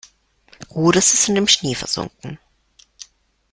Oder sie sind im Schnee versunken.